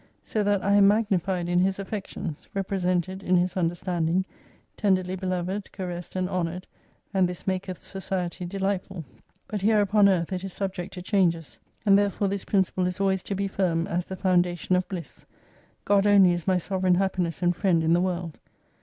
So that I am magnified in his affections, represented in his understanding, tenderly beloved, caressed and honoured : and this maketh society delightful. But here upon earth it is subject to changes. And therefore this principle is always to be firm, as the foundation of Bliss ; God only is my sovereign happiness and friend i?i the World.